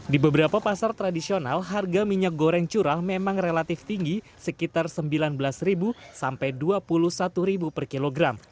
di beberapa pasar tradisional harga minyak goreng curah memang relatif tinggi sekitar rp sembilan belas sampai rp dua puluh satu per kilogram